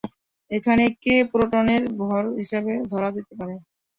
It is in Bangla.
এখানে কে প্রোটনের ভর হিসেবে ধরা যেতে পারে।